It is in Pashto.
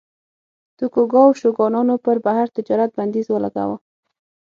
د توکوګاوا شوګانانو پر بهر تجارت بندیز ولګاوه.